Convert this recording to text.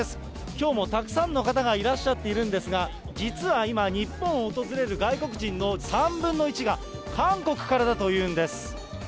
きょうもたくさんの方がいらっしゃっているんですが、実は今、日本を訪れる外国人の３分の１が韓国からだというんです。